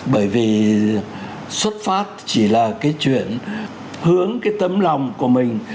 bởi vì xuất phát chỉ là cái chuyện hướng cái tấm lòng của mình